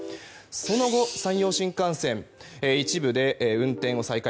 その後、山陽新幹線一部で運転を再開。